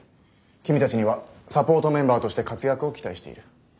君たちにはサポートメンバーとして活躍を期待している。